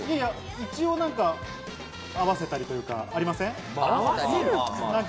一応、合わせたりとかありませんか？